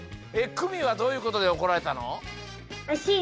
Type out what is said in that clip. クミはどういうことでおこられたの？